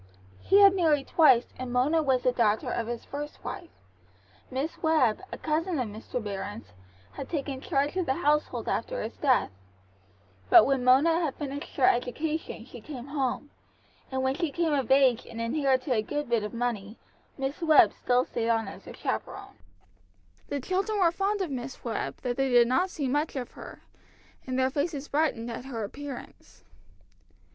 He had married twice, and Mona was the daughter of his first wife. Miss Webb, a cousin of Mr. Baron's, had taken charge of the household after his death; but when Mona had finished her education she came home, and when she came of age and inherited a good bit of money, Miss Webb still stayed on as her chaperon. The children were fond of Miss Webb, though they did not see much of her, and their faces brightened at her appearance.